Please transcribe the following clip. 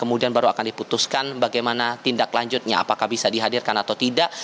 kemudian baru akan diputuskan bagaimana tindak lanjutnya apakah bisa dihadirkan atau tidak